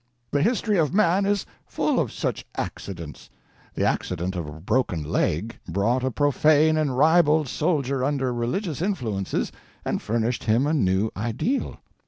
The history of man is full of such accidents. The accident of a broken leg brought a profane and ribald soldier under religious influences and furnished him a new ideal.